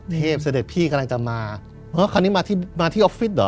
เสด็จพี่กำลังจะมาคราวนี้มาที่มาที่ออฟฟิศเหรอ